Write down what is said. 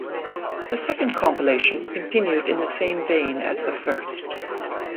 The second compilation continued in the same vein as the first.